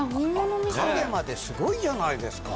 影まですごいじゃないですか。